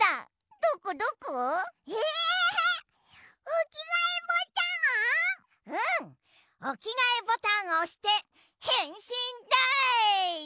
おきがえボタンをおしてへんしんだい！